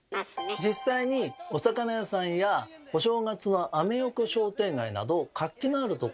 実際にお魚屋さんやお正月のアメ横商店街など活気のあるところでは。